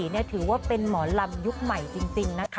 สุดยอดเลยคุณผู้ชมค่ะบอกเลยว่าเป็นการส่งของคุณผู้ชมค่ะ